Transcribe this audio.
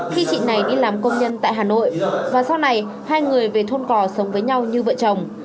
khi chị này đi làm công nhân tại hà nội và sau này hai người về thôn cò sống với nhau như vợ chồng